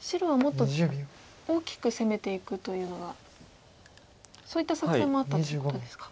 白はもっと大きく攻めていくというのがそういった作戦もあったということですか。